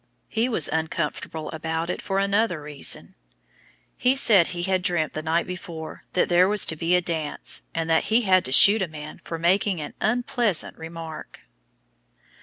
He was uncomfortable about it for another reason. He said he had dreamt the night before that there was to be a dance, and that he had to shoot a man for making "an unpleasant remark."